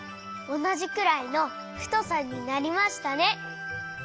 おなじくらいのふとさになりましたね。